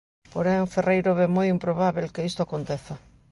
Porén, Ferreiro ve "moi improbábel" que isto aconteza.